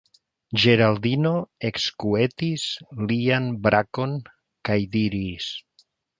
Geraldino ekskuetis lian brakon kaj diris: